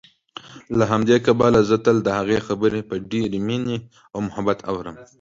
له همدې کبله زه تل دهغې خبرې په ډېرې مينې او محبت اورم